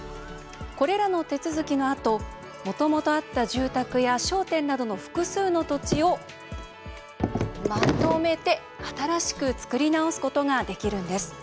これらの手続きのあともともとあった住宅や商店などの複数の土地をまとめて新しく作り直すことができるんです。